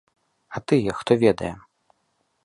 А тыя, хто ведае?